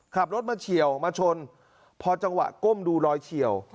ขับรถมาเฉียวมาชนพอจังหวะก้มดูรอยเฉียว